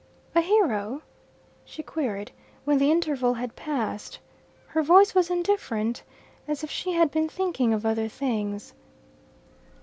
"A hero?" she queried, when the interval had passed. Her voice was indifferent, as if she had been thinking of other things.